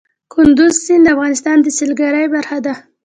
کندز سیند د افغانستان د سیلګرۍ برخه ده.